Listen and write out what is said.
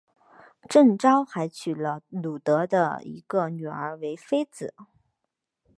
郑昭还娶了努的一个女儿为妃子。